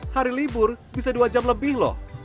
hari libur bisa dua jam lebih loh